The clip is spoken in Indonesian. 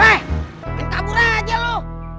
eh minta burang aja lo